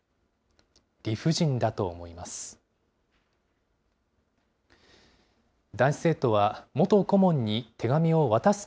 理不尽だと思います。